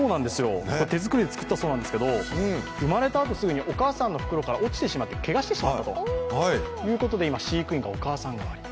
手作りで作ったそうなんですけど、生まれてからすぐにお母さんの袋から落ちてしまって、けがをしてしまったということで今、飼育員がお母さん代わり。